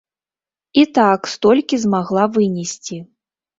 І так столькі змагла вынесці.